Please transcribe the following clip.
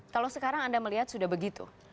kalau sekarang anda melihat sudah begitu